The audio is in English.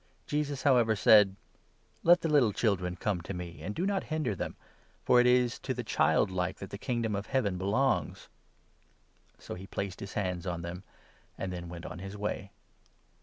Jesus, however, said : 14 "Let the little children come to me, and do not hinder them, for it is to the childlike that the Kingdom of Heaven belongs." So he placed his hands on them, and then went on his way.